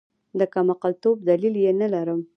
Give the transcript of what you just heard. د کمعقلتوب دلیل یې نلرم.